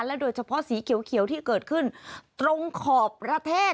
โดยเฉพาะสีเขียวที่เกิดขึ้นตรงขอบประเทศ